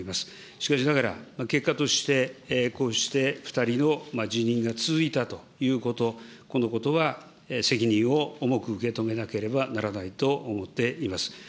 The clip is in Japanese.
しかしながら、結果として、こうして２人の辞任が続いたということ、このことは責任を重く受け止めなければならないと思っています。